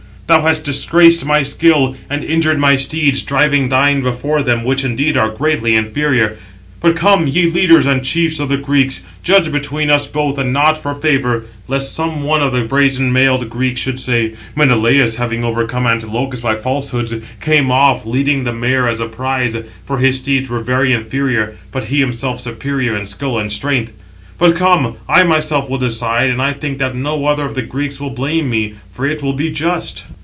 Thou hast disgraced my skill, and injured my steeds, driving thine before them, which indeed are greatly inferior. But come, ye leaders and chiefs of the Greeks, judge between us both, and not for favour; lest some one of the brazen mailed Greeks should say: 'Menelaus having overcome Antilochus by falsehoods, came off, leading the mare [as a prize], for his steeds were very inferior, but he himself superior in skill and strength.' 759 But come, I myself will decide, and I think that no other of the Greeks will blame me, for it will be just."